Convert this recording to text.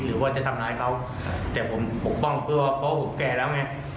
หรือว่าจะทำร้ายเขาแต่ผมปกป้องเพื่อว่าเพราะผมแก่แล้วไง